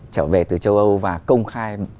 trở về từ châu âu và công khai